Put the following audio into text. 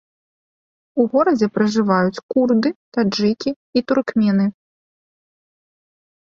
У горадзе пражываюць курды, таджыкі і туркмены.